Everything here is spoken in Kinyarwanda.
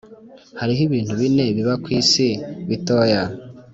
“hariho ibintu bine biba ku isi bitoya,